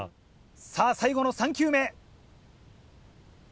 さぁ最後の３球目。